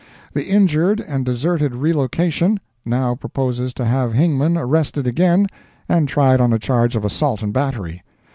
The injured and deserted relocation now proposes to have Hingman arrested again and tried on a charge of assault and battery.